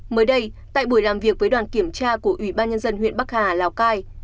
mới đây tại buổi làm việc với đoàn kiểm tra của ủy ban nhân dân huyện bắc hà lào cai